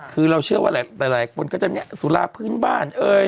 คือเราเชื่อว่าหลายคนก็จะมีสุราพื้นบ้าน